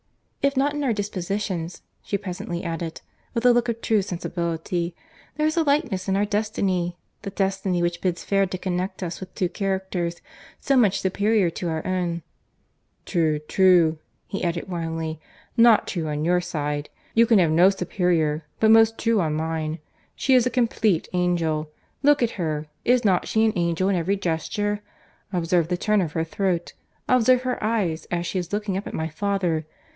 "If not in our dispositions," she presently added, with a look of true sensibility, "there is a likeness in our destiny; the destiny which bids fair to connect us with two characters so much superior to our own." "True, true," he answered, warmly. "No, not true on your side. You can have no superior, but most true on mine.—She is a complete angel. Look at her. Is not she an angel in every gesture? Observe the turn of her throat. Observe her eyes, as she is looking up at my father.